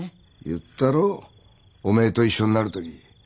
言ったろお前と一緒になる時。